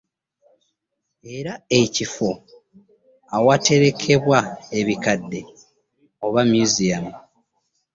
Era ekifo awaterekebwa ebikadde oba Museum